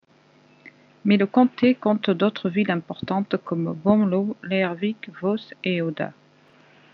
Mais le comté compte d’autres villes importantes comme Bømlo, Leirvik, Voss et Odda.